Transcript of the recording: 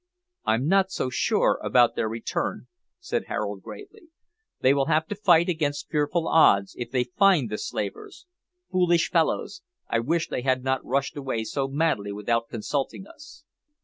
"I'm not so sure about their return," said Harold gravely. "They will have to fight against fearful odds if they find the slavers. Foolish fellows; I wish they had not rushed away so madly without consulting us."